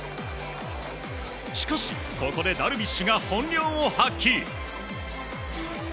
しかし、ここでダルビッシュが本領を発揮。